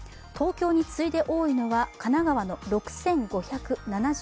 東京に次いで多いのは神奈川の６５７３人。